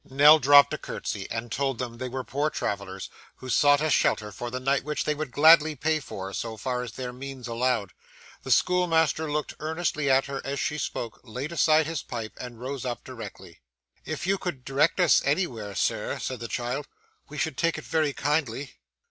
Nell dropped a curtsey, and told him they were poor travellers who sought a shelter for the night which they would gladly pay for, so far as their means allowed. The schoolmaster looked earnestly at her as she spoke, laid aside his pipe, and rose up directly. 'If you could direct us anywhere, sir,' said the child, 'we should take it very kindly.